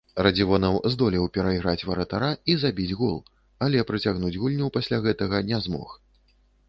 Радзівонаў здолеў перайграць варатара і забіць гол, але працягнуць гульню пасля гэтага не змог.